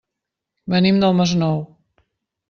Venim del Masnou.